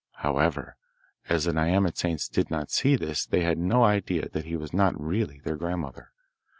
However, as the nyamatsanes did not see this they had no idea that he was not really their grandmother.